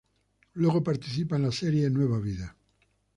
Luego participa en la serie "Nueva vida".